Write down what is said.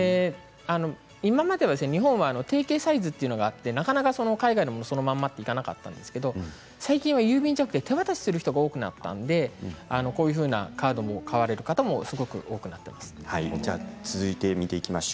今までは日本は定形サイズというのがあってなかなか海外のものをそのままということはいけなかったんですが最近は郵便ではなくて手渡しする方が多くなったのでこういうふうなカードも買われる方も多くなっています。